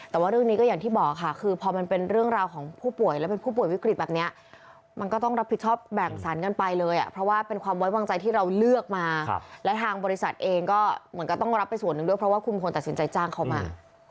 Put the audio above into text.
แต่ว่าเรื่องนี้ก็อย่างที่บอกค่ะคือพอมันเป็นเรื่องราวของผู้ป่วยและเป็นผู้ป่วยวิกฤตแบบนี้มันก็ต้องรับผิดชอบแบ่งสรรกันไปเลยเพราะว่าเป็นความไว้วางใจที่เราเลือกมาและทางบริษัทเองก็เหมือนก็ต้องรับไปส่วนหนึ่งด้วยเพราะว่าคุณควรตัดสินใจจ้างเขามา